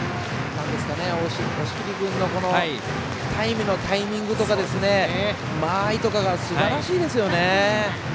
押切君のタイムのタイミングとか間合いとかがすばらしいですよね。